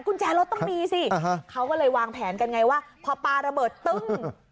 กุญแจรถต้องมีสิเขาก็เลยวางแผนกันไงว่าพอปลาระเบิดตึ้ง